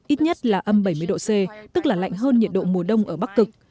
ít nhất là âm bảy mươi độ c tức là lạnh hơn nhiệt độ mùa đông ở bắc cực